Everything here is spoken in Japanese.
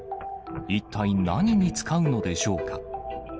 一体何に使うのでしょうか。